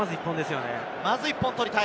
まず１本取りたい。